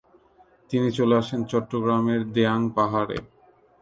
তিনি চলে আসেন চট্টগ্রামের দেয়াঙ পাহাড়ে।